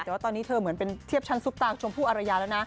แต่ว่าตอนนี้เธอเหมือนเป็นเทียบชั้นซุปตางชมพู่อารยาแล้วนะ